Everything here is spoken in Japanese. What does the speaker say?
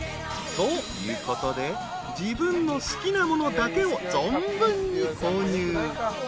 ［ということで自分の好きなものだけを存分に購入］